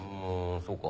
そうか。